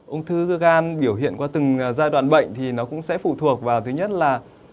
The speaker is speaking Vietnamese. ung thư gan biểu hiện qua từng giai đoạn bệnh thì nó cũng sẽ phụ thuộc vào thứ nhất là